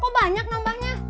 kok banyak nambahnya